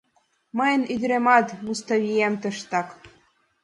Мыйын ӱдыремат, Муставием, тыштак...